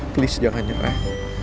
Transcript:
please jangan nyerah